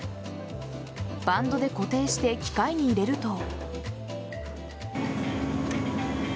バンドで固定して機械に入れると。